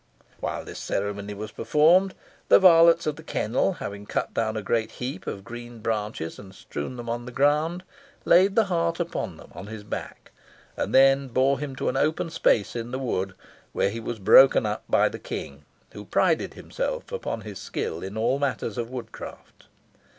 While this ceremony was performed, the varlets of the kennel having cut down a great heap of green branches, and strewn them on the ground, laid the hart upon them, on his back, and then bore him to an open space in the wood, where he was broken up by the King, who prided himself upon his skill in all matters of woodcraft.